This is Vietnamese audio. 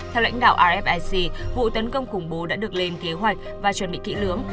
theo lãnh đạo afic vụ tấn công khủng bố đã được lên kế hoạch và chuẩn bị kỹ lưỡng